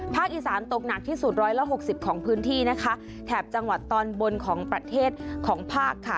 อีสานตกหนักที่สุดร้อยละหกสิบของพื้นที่นะคะแถบจังหวัดตอนบนของประเทศของภาคค่ะ